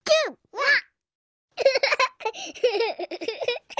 わっ！